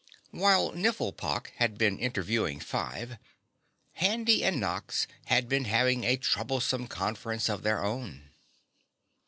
While Nifflepok had been interviewing Five, Handy and Nox had been having a troublesome conference of their own.